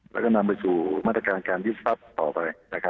แล้วก็นำไปสู่มาตรการการยึดทรัพย์ต่อไป